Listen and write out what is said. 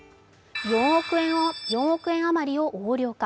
４億円余りを横領か。